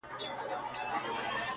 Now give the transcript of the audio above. خو خپه كېږې به نه؛